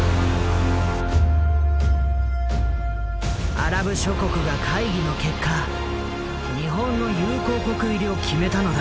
アラブ諸国が会議の結果日本の友好国入りを決めたのだ。